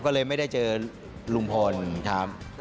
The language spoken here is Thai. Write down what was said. ก็เลยไม่ได้เจอลุงพลครับ